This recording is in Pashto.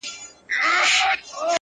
لکه وروڼه په قسمت به شریکان یو-